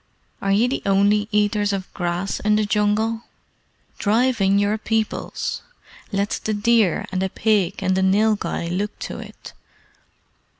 "Are ye the only eaters of grass in the Jungle? Drive in your peoples. Let the deer and the pig and the nilghai look to it.